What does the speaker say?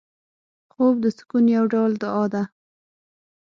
خوب د سکون یو ډول دعا ده